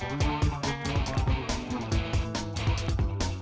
aduh aduh aduh aduh